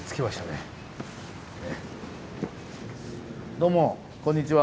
どうもこんにちは。